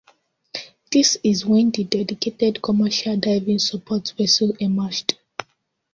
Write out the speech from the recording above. This is when the dedicated commercial diving support vessel emerged.